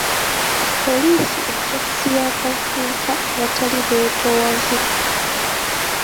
Poliisi ejja kusiba abavubuka abatali beetoowaze.